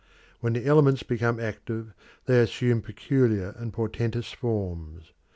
When the elements become active they assume peculiar and portentous forms.